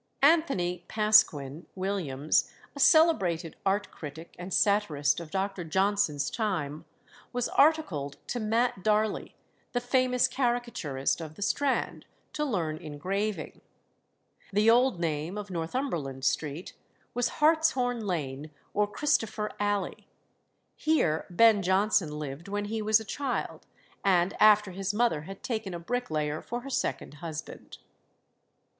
Anthony Pasquin (Williams), a celebrated art critic and satirist of Dr. Johnson's time, was articled to Matt Darley, the famous caricaturist of the Strand, to learn engraving. The old name of Northumberland Street was Hartshorne Lane or Christopher Alley. Here Ben Jonson lived when he was a child, and after his mother had taken a bricklayer for her second husband.